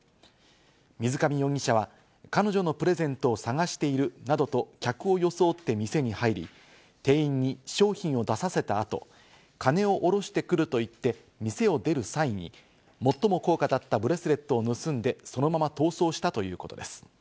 水上容疑者は彼女のプレゼントを探しているなどと客を装って店に入り、店員に商品を出させた後、金をおろしてくると言って店を出る際に最も高価だったブレスレットを盗んで、そのまま逃走したということです。